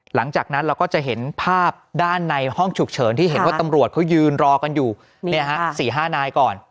หลังจากนั้นเราก็จะเห็นภาพด้านในห้องฉุกเฉินที่เห็นว่าตำรวจเขายืนรอกันอยู่๔๕นายก่อน